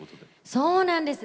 そうなんです。